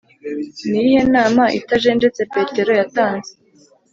Ni iyihe nama itajenjetse Petero yatanze